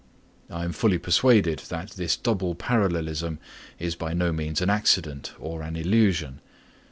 I am fully persuaded that this double parallelism is by no means an accident or an illusion.